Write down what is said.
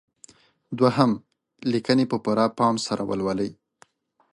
دوهم: لیکنې په پوره پام سره ولولئ.